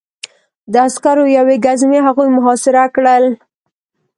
د عسکرو یوې ګزمې هغوی محاصره کړل